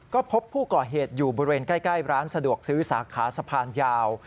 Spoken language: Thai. ก็พบผู้ก่อเหตุอยู่บริเวณใกล้ร้านสะดวกซื้อสาขาสะพานยาว